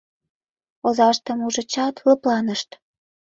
Озаштым ужычат, лыпланышт.